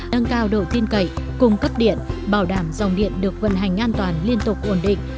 nâng cao độ tin cậy cung cấp điện bảo đảm dòng điện được vận hành an toàn liên tục ổn định